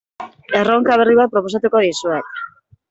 Erronka berri bat proposatuko dizuet.